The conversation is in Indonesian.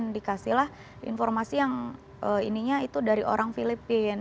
dikasihlah informasi yang ininya itu dari orang filipina